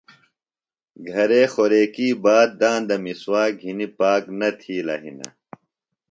گھرے خوریکیۡ باد داندہ مِسواک گِھنیۡ پاک نہ تِھیلہ ہِنہ۔